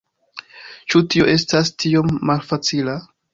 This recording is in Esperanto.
Ĉu tio estas tiom malfacila?